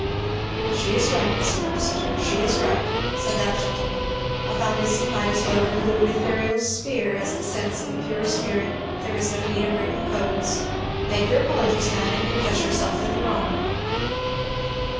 "She is right, Mr. Rossitur, she is right," said that gentleman; "a fallacy might as well elude Ithuriel's spear as the sense of a pure spirit there is no need of written codes. Make your apologies, man, and confess yourself in the wrong."